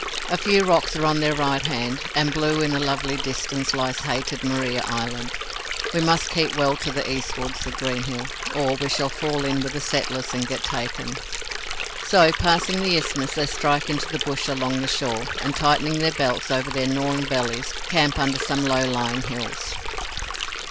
A few rocks are on their right hand, and blue in the lovely distance lies hated Maria Island. "We must keep well to the eastward," said Greenhill, "or we shall fall in with the settlers and get taken." So, passing the isthmus, they strike into the bush along the shore, and tightening their belts over their gnawing bellies, camp under some low lying hills.